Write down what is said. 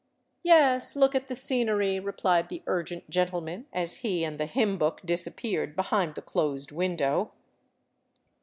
"Yes, look at the scenery," replied the urgent gentleman, as he and the hymn book disappeared behind the closed window.